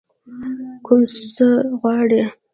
کوم څه غواړئ؟